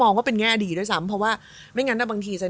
มองก็เป็นง่ายดีด้วยซ้ำเพราะว่าไม่งั้นถ้าบางทีใส่